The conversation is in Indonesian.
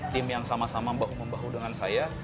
tim yang sama sama bahu membahu dengan saya